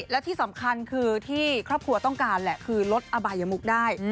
และที่สำคัญคือที่ครอบครัวต้องการแหละคือลดอบายมุกได้